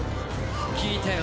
聞いたよ